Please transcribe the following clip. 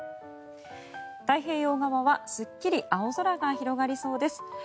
太平洋側はすっきり青空が広がりそうです。